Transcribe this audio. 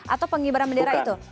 atau pengibaran bendera itu